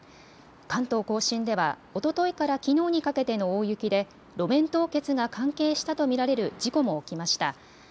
関東甲信では、おとといからきのうにかけての大雪で路面凍結が関係したと見られる事故も起きました。